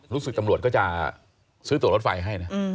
รู้สึกตำรวจก็จะซื้อตัวรถไฟให้นะ